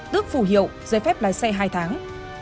tức phù hiệu giấy phép lái xe hai tháng